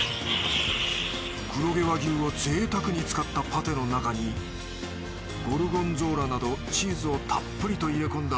黒毛和牛をぜいたくに使ったパテの中にゴルゴンゾーラなどチーズをたっぷりと入れ込んだ